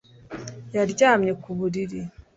Yaryamye ku buriri